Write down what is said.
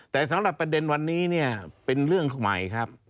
แต่สำหรับประเด็นวันนี้เนี่ยเป็นเรื่องใหม่ครับ